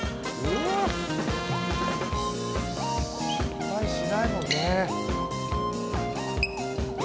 失敗しないよね。